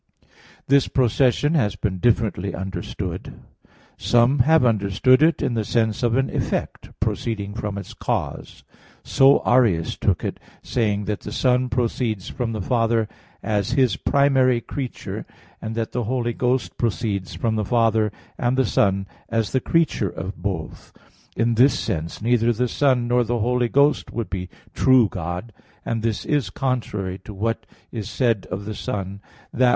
This procession has been differently understood. Some have understood it in the sense of an effect, proceeding from its cause; so Arius took it, saying that the Son proceeds from the Father as His primary creature, and that the Holy Ghost proceeds from the Father and the Son as the creature of both. In this sense neither the Son nor the Holy Ghost would be true God: and this is contrary to what is said of the Son, "That